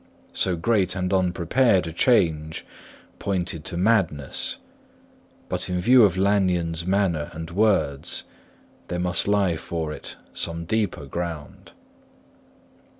So great and unprepared a change pointed to madness; but in view of Lanyon's manner and words, there must lie for it some deeper ground.